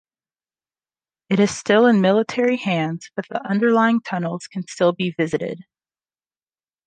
It is still in military hands but the underlying tunnels can still be visited.